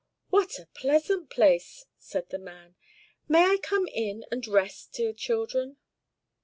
"What a pleasant place!" said the man. "May I come in and rest, dear children?"